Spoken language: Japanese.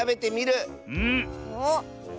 うん。おっ。